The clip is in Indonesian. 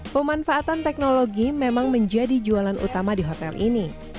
pemanfaatan teknologi memang menjadi jualan utama di hotel ini